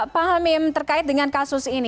pak hamim terkait dengan kasus ini